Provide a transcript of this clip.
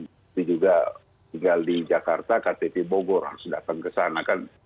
tapi juga tinggal di jakarta ktp bogor harus datang ke sana kan